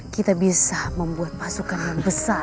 kita bisa membuat pasukan yang besar